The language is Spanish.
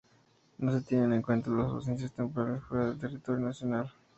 No se tienen en cuenta las ausencias temporales fuera del territorio nacional.